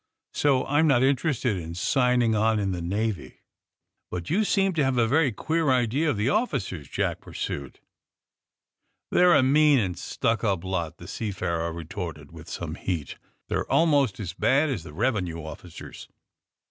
So I'm not inter ested in signing on in the Navy. " But you seem to have a very queer idea of the officers," Jack pursued. ^* ^They're a mean and stuck up lot," the sea farer retorted, with some heat. * ^They're al most as bad as the revenue officers."